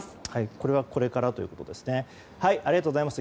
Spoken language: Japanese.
これは、これからということですね。